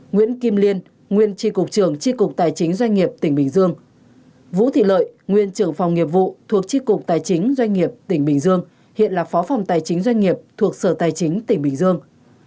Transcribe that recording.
nguyễn kim liên nguyên tri cục trường tri cục tài chính doanh nghiệp tỉnh bình dương vũ thị lợi nguyên trưởng phòng nghiệp vụ thuộc tri cục tài chính doanh nghiệp tỉnh bình dương hiện là phó phòng tài chính doanh nghiệp thuộc sở tài chính tỉnh bình dương